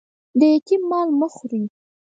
د یتيم مال مه خوري